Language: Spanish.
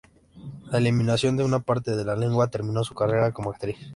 La eliminación de una parte de la lengua terminó su carrera como actriz.